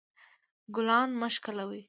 ګلان مه شکولوئ